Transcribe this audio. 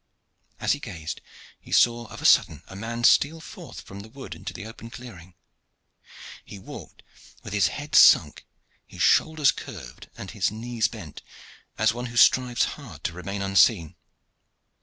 As he gazed, he saw of a sudden a man steal forth from the wood into the open clearing. He walked with his head sunk, his shoulders curved, and his knees bent, as one who strives hard to remain unseen.